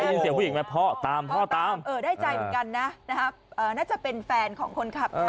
ได้ยินเสียงผู้หญิงไหมพ่อตามพ่อตามเออได้ใจเหมือนกันนะน่าจะเป็นแฟนของคนขับ